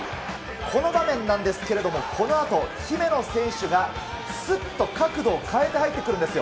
この場面なんですけれども、このあと、姫野選手がすっと角度を変えて入ってくるんですよ。